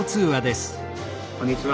こんにちは。